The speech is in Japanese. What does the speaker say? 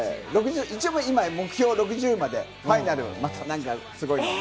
今、目標は６０までファイナル、また何か、すごいのをね。